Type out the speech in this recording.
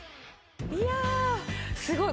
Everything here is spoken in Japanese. いやすごい！